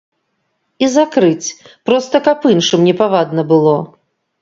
І закрыць, проста каб іншым непавадна было.